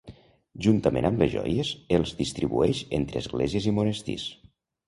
Juntament amb les joies, els distribueix entre esglésies i monestirs.